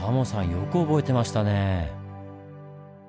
よく覚えてましたねぇ。